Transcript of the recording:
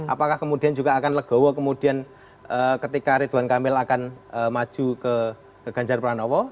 apakah kemudian juga akan legowo kemudian ketika ridwan kamil akan maju ke ganjar pranowo